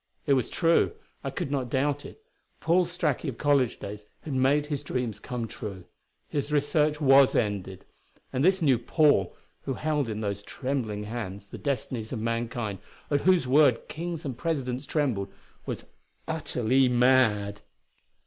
It was true I could not doubt it Paul Straki of college days had made his dreams come true; his research was ended. And this new "Paul" who held in those trembling hands the destinies of mankind, at whose word kings and presidents trembled, was utterly mad!